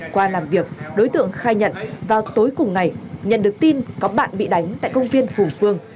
qua làm việc đối tượng khai nhận vào tối cùng ngày nhận được tin có bạn bị đánh tại công viên hùng phương